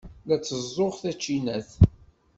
La tteẓẓuɣ tacinat.